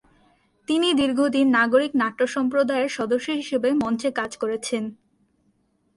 তিনি দীর্ঘ দিন নাগরিক নাট্যসম্প্রদায়-এর সদস্য হিসেবে মঞ্চে কাজ করেছেন।